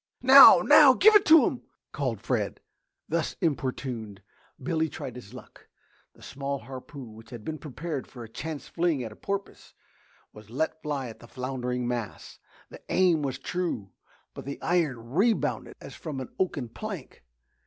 "Now! Now, give it to him!" called Fred. Thus importuned, Billy tried his luck. The small harpoon which had been prepared for a chance fling at a porpoise, was let fly at the floundering mass. The aim was true but the iron rebounded as from an oaken plank.